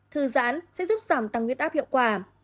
thư giãn sẽ giúp giảm tăng huyết áp hiệu quả